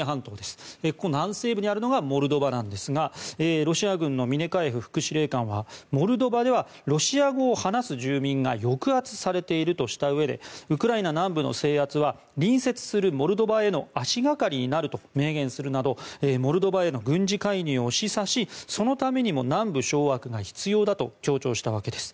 ここ南西部にあるのがモルドバなんですがロシア軍のミネカエフ副司令官はモルドバではロシア語を話す住民が抑圧されているとしたうえでウクライナ南部の制圧は隣接するモルドバへの足がかりになると明言するなどモルドバへの軍事介入を示唆しそのためにも南部掌握が必要だと強調したわけです。